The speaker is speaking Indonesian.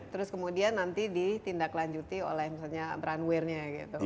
terus kemudian nanti ditindaklanjuti oleh misalnya brandware nya gitu